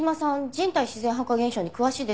人体自然発火現象に詳しいですよね。